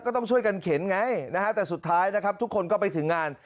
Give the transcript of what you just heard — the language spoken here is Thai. ก็ต้องช่วยกันเข็นไงแต่สุดท้ายทุกคนก็ไปถึงงาน